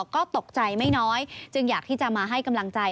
ก็ตกใจไม่น้อยจึงอยากที่จะมาให้กำลังใจ